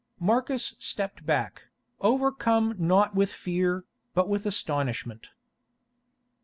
Marcus stepped back, overcome not with fear, but with astonishment.